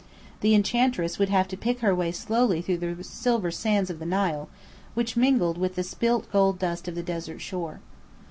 The Enchantress would have to pick her way slowly through the silver sands of the Nile, which mingled with the spilt gold dust of the desert shore.